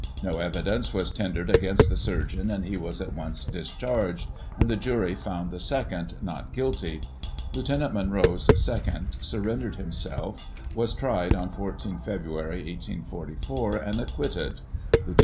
No evidence was tendered against the surgeon, and he was at once discharged, and the jury found the second "Not Guilty." Lt. Munro's second sur rendered himself, was tried on 14 Feb., 1844, and acquitted. Lieut.